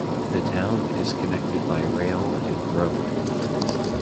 The town is connected by rail and road.